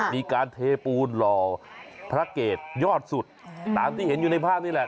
มีการเทปูนหล่อพระเกตยอดสุดตามที่เห็นอยู่ในภาพนี่แหละ